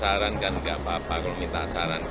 saya juga di banjir tapi memang ditolong semakin dengan best